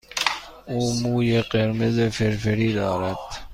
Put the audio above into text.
او موی قرمز فرفری دارد.